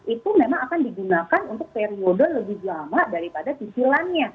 itu memang akan digunakan untuk periode lebih lama daripada cicilannya